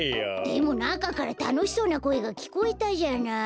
でもなかからたのしそうなこえがきこえたじゃない。